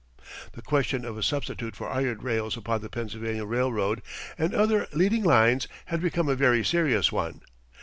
The question of a substitute for iron rails upon the Pennsylvania Railroad and other leading lines had become a very serious one.